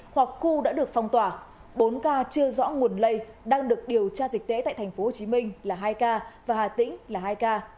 hoặc khu đã được phong tỏa bốn ca chưa rõ nguồn lây đang được điều tra dịch tễ tại tp hcm là hai ca và hà tĩnh là hai ca